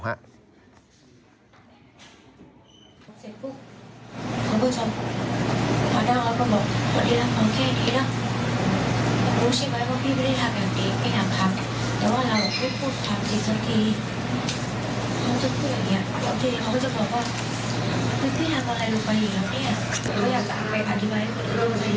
แล้วบอกว่าเราเป็นโบงเงิน